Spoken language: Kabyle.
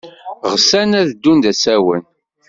Ɣseɣ ad ddun d asawen.